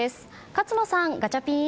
勝野さん、ガチャピン！